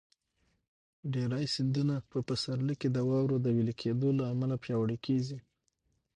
ډېری سیندونه په پسرلي کې د واورو د وېلې کېدو له امله پیاوړي کېږي.